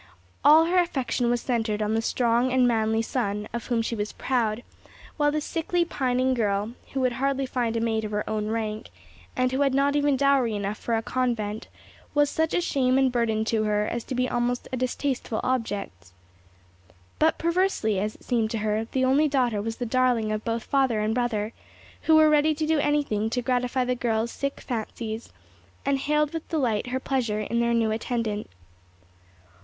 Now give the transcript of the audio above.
All her affection was centred on the strong and manly son, of whom she was proud, while the sickly pining girl, who would hardly find a mate of her own rank, and who had not even dowry enough for a convent, was such a shame and burthen to her as to be almost a distasteful object. But perversely, as it seemed to her, the only daughter was the darling of both father and brother, who were ready to do anything to gratify the girl's sick fancies, and hailed with delight her pleasure in her new attendant.